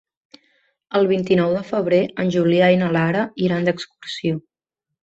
El vint-i-nou de febrer en Julià i na Lara iran d'excursió.